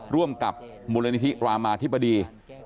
ร่วมกับมูลนิธิรามาธิบดี